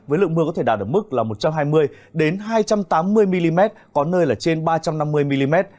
với lượng mưa có thể đạt ở mức là một trăm hai mươi hai trăm tám mươi mm có nơi là trên ba trăm năm mươi mm